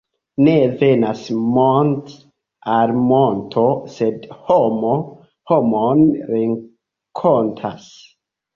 Ne venas mont' al monto, sed homo homon renkontas.